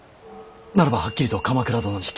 ならばはっきりと鎌倉殿に。